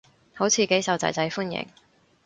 好似幾受囝仔歡迎